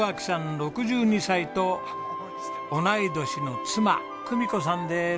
６２歳と同い年の妻久美子さんです。